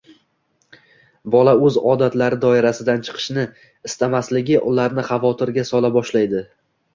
bola o‘z odatlari doirasidan chiqishni istamasligi ularni xavotirga sola boshlaydi.